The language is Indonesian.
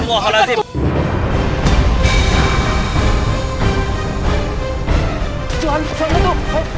hanya jejak buat sup popeye